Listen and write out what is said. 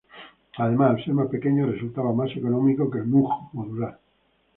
Además, al ser más pequeño, resultaba más económico que el Moog Modular.